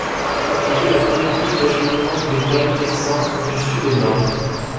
C'était la première piste d'acheminement du bétail texan, du sud au nord.